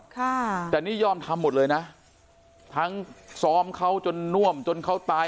ค่ะแต่นี่ยอมทำหมดเลยนะทั้งซ้อมเขาจนน่วมจนเขาตาย